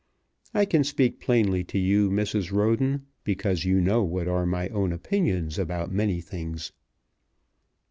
I can speak plainly to you, Mrs. Roden, because you know what are my own opinions about many things."